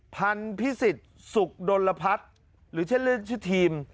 พันธุ์พิสิทธิ์สุกโดรพัฒน์หรือเช่นเล่นชื่อทีม